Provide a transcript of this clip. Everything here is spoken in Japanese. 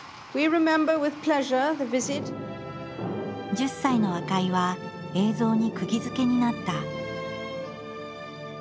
１０歳の赤井は映像にくぎづけになった。